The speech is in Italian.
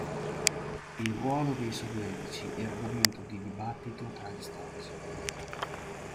Il ruolo dei Sovietici è argomento di dibattito fra gli storici.